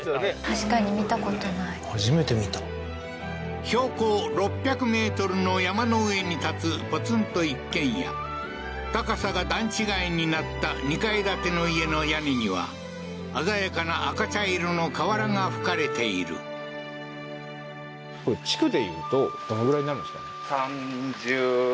確かに見たこと無い初めて見た標高６００ｍの山の上に建つポツンと一軒家高さが段違いになった２階建ての家の屋根には鮮やかな赤茶色の瓦がふかれているこれ築でいうとどのぐらいになるんですか？